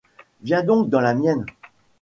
Viens donc dans la mienne ?